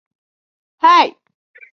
一路超冷才对